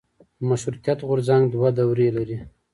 د مشروطیت غورځنګ دوه دورې لري.